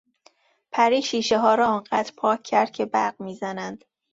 پری شیشهها را آنقدر پاک کرد که برق میزدند.